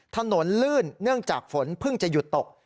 ถนนลื่นเนื่องจากฝนเพิ่งจะหยุดตก